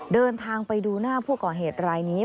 เดินทางไปดูหน้าผู้ก่อเหตุรายนี้